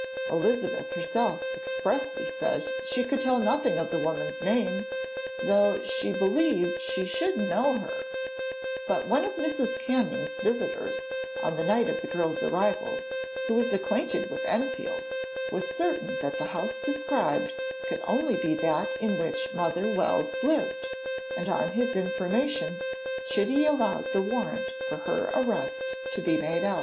Elizabeth herself expressly says she 'could tell nothing of the woman's name,' though 'she believed she should know her;' but one of Mrs. Canning's visitors on the night of the girl's arrival, who was acquainted with Enfield, was certain that the house described could only be that in which Mother Wells lived, and on his information Chitty allowed the warrant for her arrest to be made out.